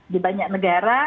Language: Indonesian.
di banyak negara